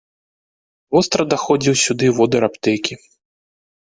Востра даходзіў сюды водыр аптэкі.